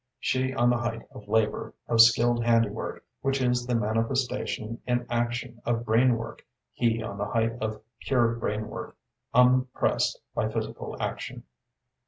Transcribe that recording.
She on the height of labor, of skilled handiwork, which is the manifestation in action of brain work, he on the height of pure brain work unpressed by physical action.